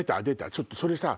ちょっとそれさ。